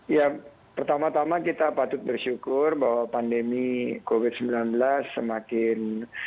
ya pertama tama kita patut bersyukur bahwa pandemi covid sembilan belas semakin